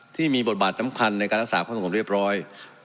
ที่มีบทบาทสำคัญในการรักษาความสงบเรียบร้อย